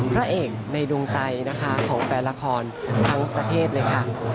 พระเอกในดวงใจนะคะของแฟนละครทั้งประเทศเลยค่ะ